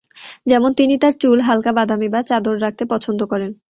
যেমন, তিনি তার চুল হালকা বাদামী বা চাদর রাখতে পছন্দ করেন।